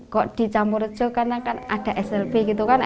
kok dicampur recuk karena kan ada slb gitu kan